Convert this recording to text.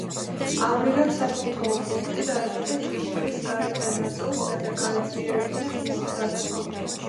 ამრიგად, სათვალთვალო პუნქტი დაემატა ჭიშკრის გარეთა ნაწილს, რათა გაეძლიერებინათ მისი დაცვა.